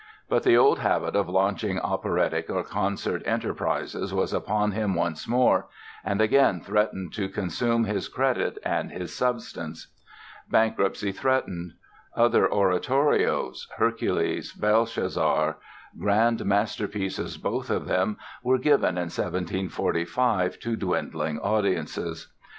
But the old habit of launching operatic or concert enterprises was upon him once more and again threatened to consume his credit and his substance. Bankruptcy threatened. Other oratorios, "Hercules", "Belshazzar", grand masterpieces both of them, were given in 1745 to dwindling audiences.